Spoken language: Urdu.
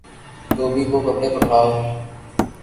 دھوبی کو کپڑے پکڑا او